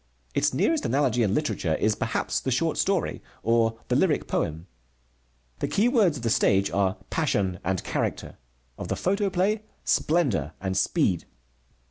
Its nearest analogy in literature is, perhaps, the short story, or the lyric poem. The key words of the stage are passion and character; of the photoplay, splendor and speed.